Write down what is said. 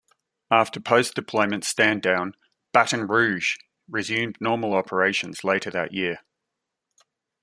After post-deployment stand-down, "Baton Rouge" resumed normal operations later that year.